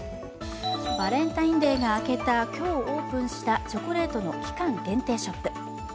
バレンタインデーが明けた今日オープンしたチョコレートの期間限定ショップ。